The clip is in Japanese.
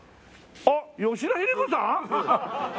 あっ吉田秀彦さん！？